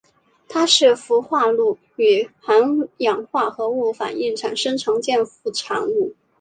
它是氟化氯与含氧化合物反应产生的常见副产物。